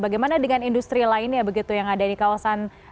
bagaimana dengan industri lainnya begitu yang ada di kawasan